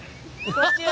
こっちよ。